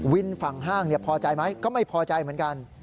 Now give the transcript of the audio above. ฝั่งห้างพอใจไหมก็ไม่พอใจเหมือนกัน